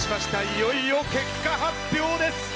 いよいよ結果発表です。